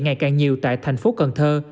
ngày càng nhiều tại thành phố cần thơ